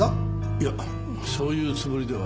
いやそういうつもりでは。